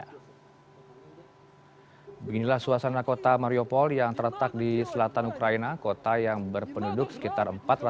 hai beginilah suasana kota mariupol yang terletak di selatan ukraina kota yang berpenduduk sekitar